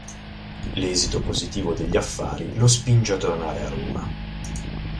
L'esito positivo degli affari lo spinge a tornare a Roma.